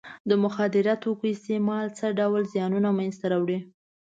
د مخدره توکو استعمال څه ډول زیانونه منځ ته راوړي.